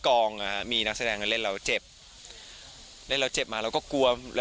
ก็เพราะว่าเราได้เข้าฉากด้วยกันตลอด